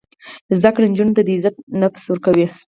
زده کړه نجونو ته د عزت نفس ورکوي.